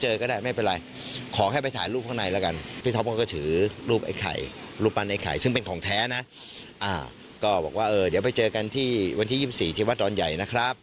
เออเดี๋ยวไปเจอกันที่วันที่๒๔ที่วัดร้อนใหญ่นะครับ